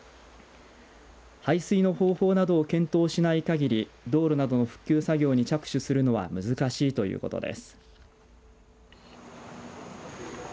排水の方法などを検討しないかぎり道路などの復旧作業に着手するのは難しいということです。